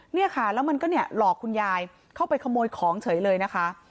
เนี่ยค่ะแล้วมันก็เนี่ยหลอกคุณยายเข้าไปขโมยของเฉยเลยนะคะ